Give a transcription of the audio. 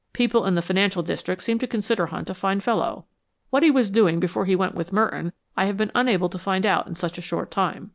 People in the financial district seem to consider Hunt a fine fellow. What he was doing before he went with Merton I have been unable to find out in such a short time."